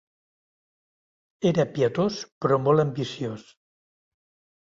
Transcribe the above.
Era pietós però molt ambiciós.